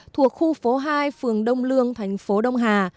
thuộc khu phố hai phường đông lương thành phố đông hà